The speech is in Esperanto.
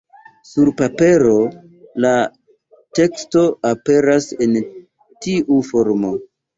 Sur papero la teksto aperas en tiu formo.